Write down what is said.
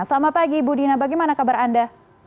selamat pagi ibu dina bagaimana kabar anda